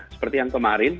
seperti yang kemarin